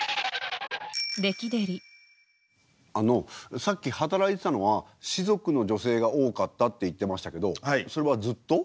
あのさっき働いてたのは士族の女性が多かったって言ってましたけどそれはずっと？